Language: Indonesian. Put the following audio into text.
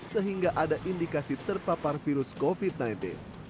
sehingga ada indikasi terpapar virus covid sembilan belas